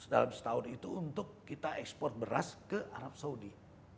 dalam setahun itu untuk kita ekspor beras ke arab saudi